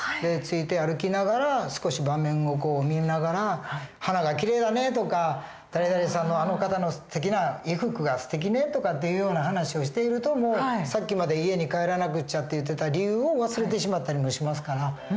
ついて歩きながら少し場面を見ながら花がきれいだねとか誰々さんのあの方の衣服がすてきねとかっていうような話をしているともうさっきまで家に帰らなくちゃって言ってた理由を忘れてしまったりもしますから。